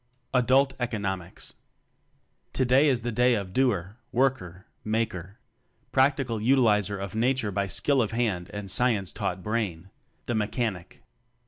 Adult Economics. Today is the day of Doer, Work er, Maker practical utilizer of Nature by skill of hand and science taught brain the Mechanic.